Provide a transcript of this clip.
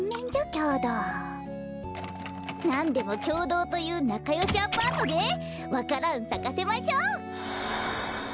きょうどうなんでもきょうどうというなかよしアパートでわか蘭さかせましょう。